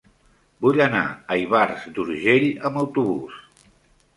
Vull anar a Ivars d'Urgell amb autobús.